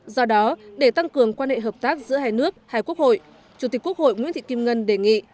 do đó để tăng cường quan hệ hợp tác giữa hai nước hai quốc hội chủ tịch quốc hội nguyễn thị kim ngân đề nghị